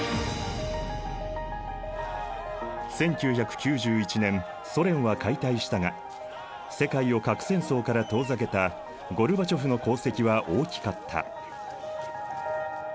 １９９１年ソ連は解体したが世界を核戦争から遠ざけたゴルバチョフの功績は大きかった。